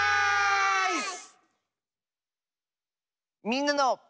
「みんなの」。